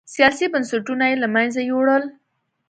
سیاسي بنسټونه یې له منځه یووړل.